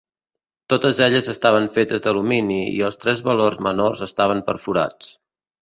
Totes elles estaven fetes d'alumini i els tres valors menors estaven perforats.